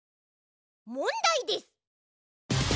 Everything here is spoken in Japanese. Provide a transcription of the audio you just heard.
もんだいです。